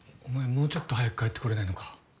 もうちょっと早く帰って来れないのか？